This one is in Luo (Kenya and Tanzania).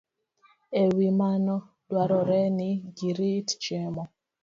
E wi mano, dwarore ni girit chiemo